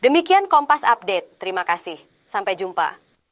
demikian kompas update terima kasih sampai jumpa